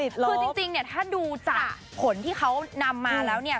คือจริงเนี่ยถ้าดูจากผลที่เขานำมาแล้วเนี่ย